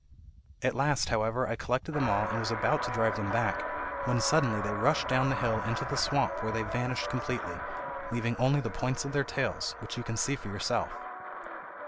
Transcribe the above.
At last, however, I collected them all and was about to drive them back, when suddenly they rushed down the hill into the swamp, where they vanished completely, leaving only the points of their tails, which you can see for yourself."